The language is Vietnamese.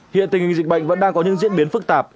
hiện tình hình dịch bệnh vẫn đang có những diễn biến phức tạp